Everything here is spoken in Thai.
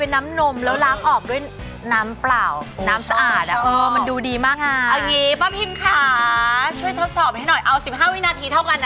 เอา๑๕วินาทีเท่ากันนะจะได้เท่าเทียมกัน